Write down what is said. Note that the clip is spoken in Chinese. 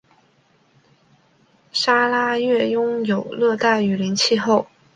砂拉越拥有热带雨林气候。